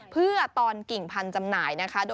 เพื่อตอนกิ่งพันธุ์จำหน่ายนะคะ